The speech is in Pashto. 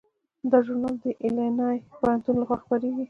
دا ژورنال د ایلینای پوهنتون لخوا خپریږي.